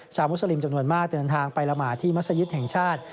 มุสลิมจำนวนมากเดินทางไปละหมาที่มัศยิตแห่งชาติ